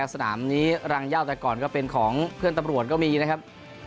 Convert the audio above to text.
สนามนี้รังย่าแต่ก่อนก็เป็นของเพื่อนตำรวจก็มีนะครับ